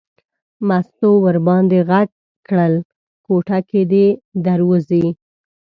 مستو ور باندې غږ کړل کوټه کې دی در وځي.